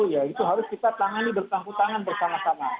ya itu harus kita tangani bersama sama